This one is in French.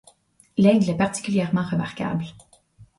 L'aigle est particulièrement remarquable.